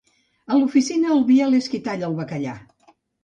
A l'oficina, el Biel és qui talla el bacallà.